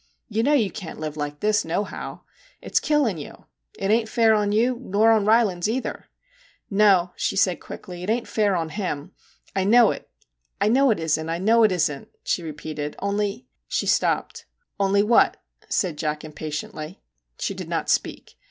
You know you can't live this way, nohow. It's killing you, it ain't fair on you, nor on Rylands either.' * No,' she said quickly, ' it ain't fair on him. I know it, I know it isn't, I know it isn't/ she repeated, ' only ' She stopped. 'Only what?' said Jack impatiently. She did not speak.